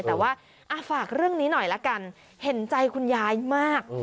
แต่ว่าฝากเรื่องนี้หน่อยละกันเห็นใจคุณยายมาก